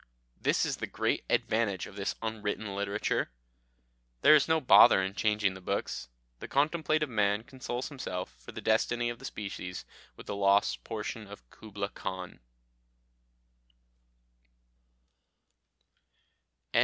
This is the great advantage of this unwritten literature: there is no bother in changing the books. The contemplative man consoles himself for the destiny of the species with the lost portion of Kubla Khan.